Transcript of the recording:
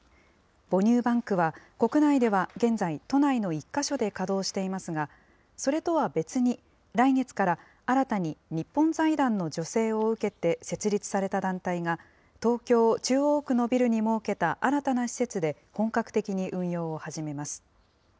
母乳バンクは、国内では現在、都内の１か所で稼働していますが、それとは別に、来月から新たに日本財団の助成を受けて設立された団体が、東京・中央区のビルに設けた新たな施設で本格的に運用を始めます。